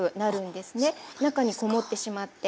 中にこもってしまって。